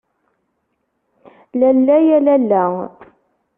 Lalla ya lalla.